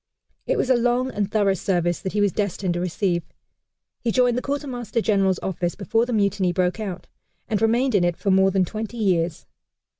It was a long and thorough service that he was destined to receive. He joined the Quartermaster General's office before the mutiny broke out, and remained in it for more than twenty years.